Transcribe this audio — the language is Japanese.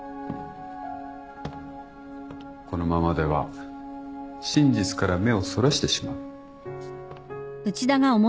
このままでは真実から目をそらしてしまう。